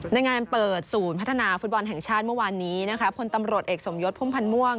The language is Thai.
ในงานเปิดศูนย์พัฒนาฟุตบอลแห่งชาติเมื่อวานนี้นะคะพลตำรวจเอกสมยศพุ่มพันธ์ม่วง